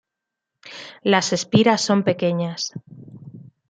Las espiras son pequeñas.